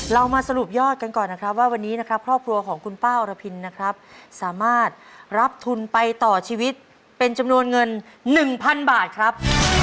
เรามาสรุปยอดกันก่อนนะครับว่าวันนี้นะครับครอบครัวของคุณป้าอรพินนะครับสามารถรับทุนไปต่อชีวิตเป็นจำนวนเงิน๑๐๐๐บาทครับ